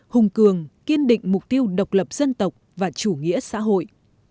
hùng cường kiên định mục tiêu độc lập dân tộc và chủ nghĩa xã hội